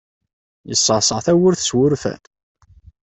Yeṣṣeɛṣeɛ tawwurt s wurfan.